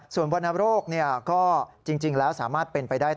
ส่วนวรรณโรคก็จริงแล้วสามารถเป็นไปได้